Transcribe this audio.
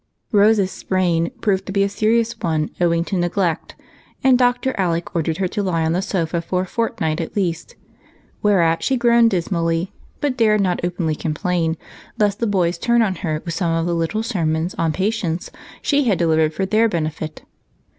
ROSE'S sprain proved to be a serious one, owing to neglect, and Dr. Alec ordered her to lie on the sofa for a fortnight at least ; whereat she groaned dismally, but dared not openly complain, lest the boys turn upon her with some of the wise little sermons on patience which she had delivered for their benefit.